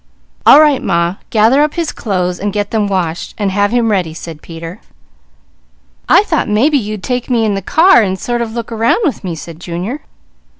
"All right Ma, gather up his clothes and get them washed, and have him ready," said Peter. "I thought maybe you'd take me in the car and sort of look around with me," said Junior.